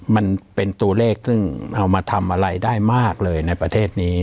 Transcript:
มันเป็นตัวเลขซึ่งเอามาทำอะไรได้มากเลยในประเทศนี้